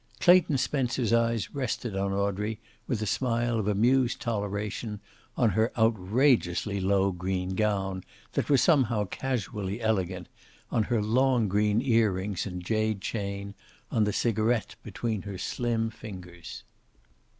Clayton Spencer's eyes rested on Audrey with a smile of amused toleration, on her outrageously low green gown, that was somehow casually elegant, on her long green ear rings and jade chain, on the cigaret between her slim fingers.